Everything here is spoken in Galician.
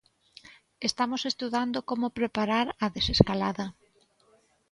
Estamos estudando como preparar a desescalada.